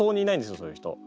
そういう人。